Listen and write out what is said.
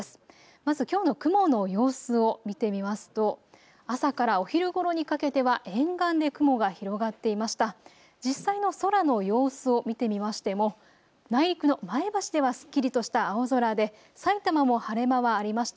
まずきょうの雲の様子を見てみますと朝からお昼ごろにかけては沿岸で雲が広がっていました。